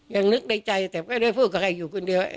ยังนึกในใจแต่ไม่ได้พูดกับใครอยู่คนเดียว